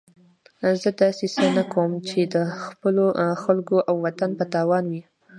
زه داسې څه نه کوم چې د خپلو خلکو او وطن په تاوان وي.